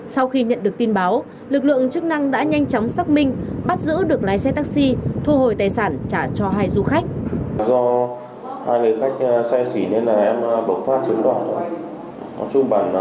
sau khi nhận được tin báo lực lượng chức năng đã nhanh chóng xác minh bắt giữ được lái xe taxi thu hồi tài sản trả cho hai du khách